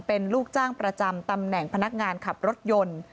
เป็นลูกจ้างประจำตำแหน่งพนักงานขับรถยนต์